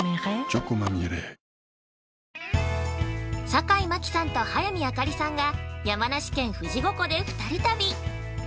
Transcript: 坂井真紀さんと早見あかりさんが山梨県・富士五湖で２人旅！